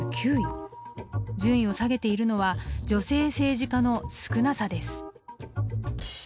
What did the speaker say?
順位を下げているのは女性政治家の少なさです。